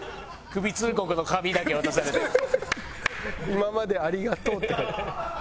「今までありがとう」って書いてある。